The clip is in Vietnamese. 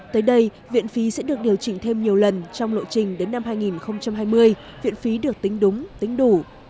tới đây viện phí sẽ được điều chỉnh thêm nhiều lần trong lộ trình đến năm hai nghìn hai mươi viện phí được tính đúng tính đủ